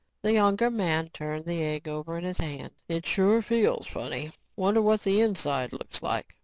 The younger man turned the egg over in his hand. "It sure feels funny. Wonder what the inside looks like?"